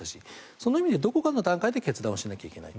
その意味でどこかの段階で決断しないといけない。